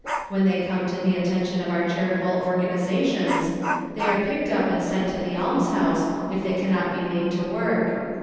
When they come to the attention of our charitable organizations, they are picked up and sent to the almshouse, if they cannot be made to work.